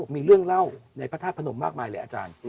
มีเรื่องเล่าในพระธาตุพนมมากมายเลยอาจารย์